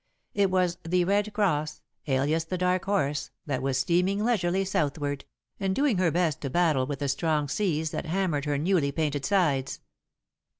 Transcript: It was The Red Cross, alias The Dark Horse, that was steaming leisurely southward, and doing her best to battle with the strong seas that hammered her newly painted sides.